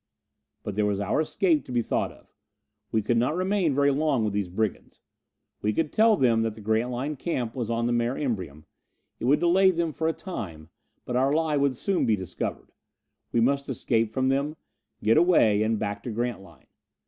But there was our escape to be thought of. We could not remain very long with these brigands. We could tell them that the Grantline camp was on the Mare Imbrium. It would delay them for a time, but our lie would soon be discovered. We must escape from them, get away and back to Grantline.